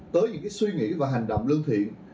tới những suy nghĩ và hành động lương thiện